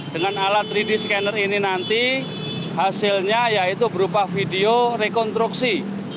dengan alat tiga d scanner ini nanti hasilnya yaitu berupa video rekonstruksi